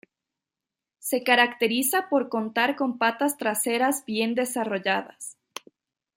Se caracteriza por contar con patas traseras bien desarrolladas.